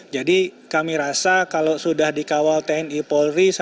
jadi kami rasa kalau sudah dikawal tni polri satpol pp ya kita harus juga mendukung